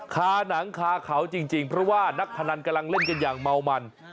คาหนังคาเขาจริงเพราะว่านักพนันกำลังเล่นกันอย่างเมามัน